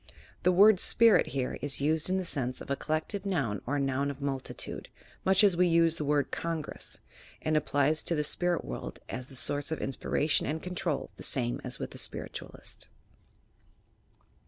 The word spirit here is used in the sense of a collective noun or noun of multitude — much as we use the word Congreas — and applies to the spirit world as the source of inspiration and con trol, the same as with the Spiritualist.